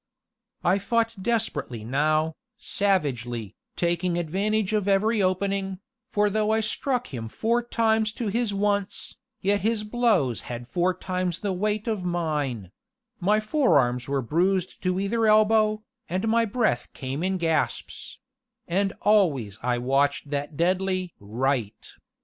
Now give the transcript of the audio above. I fought desperately now, savagely, taking advantage of every opening, for though I struck him four times to his once, yet his blows had four times the weight of mine; my forearms were bruised to either elbow, and my breath came in gasps; and always I watched that deadly "right."